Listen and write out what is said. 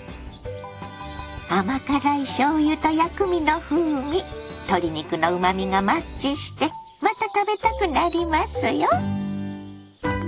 甘辛いしょうゆと薬味の風味鶏肉のうまみがマッチしてまた食べたくなりますよ。